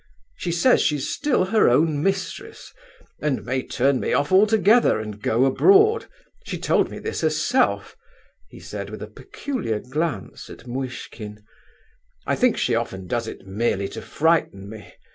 She says she's still her own mistress, and may turn me off altogether, and go abroad. She told me this herself," he said, with a peculiar glance at Muishkin. "I think she often does it merely to frighten me.